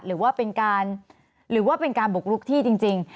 หรือว่าเป็นการหรือว่าเป็นการบุกลุกที่จริง